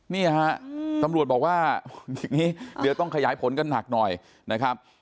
นี่ฮะตำรวจบอกว่าอย่างนี้เดี๋ยวต้องขยายผลกันหนักหน่อยนะครับ